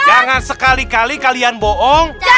jangan sekali kali kalian bohong